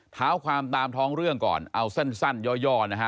เท้าความตามท้องเรื่องก่อนเอาสั้นย่อนะฮะ